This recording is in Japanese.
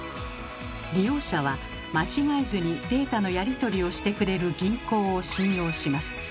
利用者は間違えずにデータのやり取りをしてくれる銀行を信用します。